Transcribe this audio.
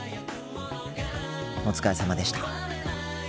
お疲れさまでした。